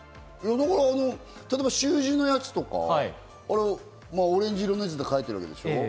例えば習字のやつとか、オレンジ色の字で書いてるやつでしょ？